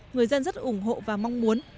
người dân rất ủng hộ và mong muốn